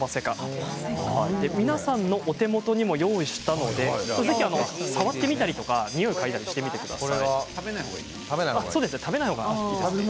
皆さんのお手元にも用意したので触ってみたり、においを嗅いだりしてみてください。